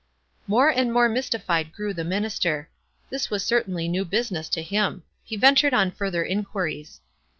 More and more mystified grew the minister. This was certainly new business to him. He ventured on further inquiries.